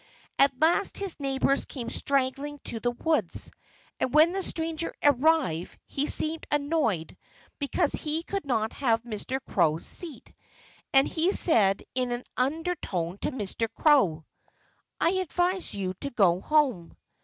At last his neighbors came straggling to the woods. And when the stranger arrived he seemed annoyed because he could not have Mr. Crow's seat. And he said in an undertone to Mr. Crow: "I advise you to go home."